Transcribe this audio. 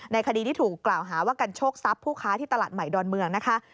คดีที่ถูกกล่าวหาว่ากันโชคทรัพย์ผู้ค้าที่ตลาดใหม่ดอนเมืองนะคะ